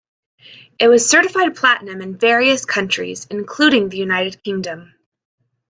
It was certified platinum in various countries, including the United Kingdom.